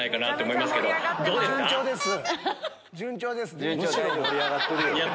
順調です。